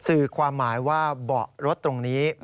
สื่อความหมายว่าเบาะรถตรงนี้